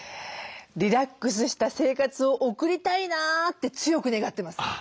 リラックスした生活を送りたいなって強く願ってます。